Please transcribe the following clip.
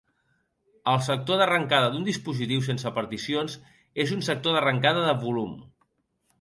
El sector d'arrencada d'un dispositiu sense particions és un sector d'arrencada de volum.